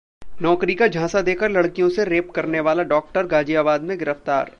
नौकरी का झांसा देकर लड़कियों से रेप करने वाला 'डॉक्टर' गाजियाबाद में गिरफ्तार